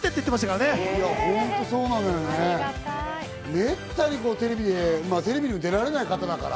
めったにテレビでテレビにも出られない方だから。